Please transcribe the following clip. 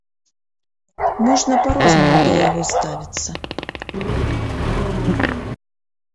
Можна па-рознаму да яго ставіцца.